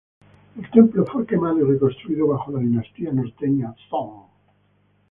El templo fue quemado y reconstruido bajo la "dinastía norteña Song".